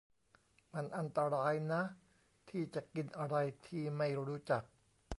มันอันตรายนะที่จะกินอะไรที่ไม่รู้จัก